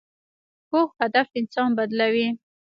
پوخ هدف انسان بدلوي